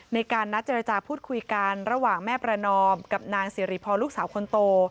ในการนัดเจรจาพูดคุยกันระหว่างแม่ประนอมกับนางสิริพรลูกสาวคนโต